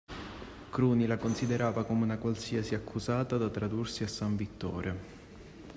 Cruni la considerava come una qualsiasi accusata da tradursi a San Vittore.